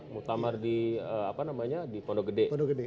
muktamar di pondogede